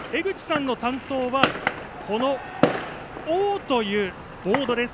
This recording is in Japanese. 江口さんの担当はこの「オ」というボードです。